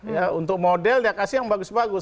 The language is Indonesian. ya untuk model dia kasih yang bagus bagus